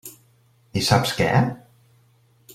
I saps què?